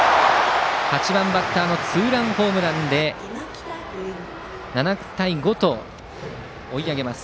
８番バッターのツーランホームランで７対５と追い上げます。